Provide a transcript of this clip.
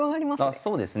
あそうですね。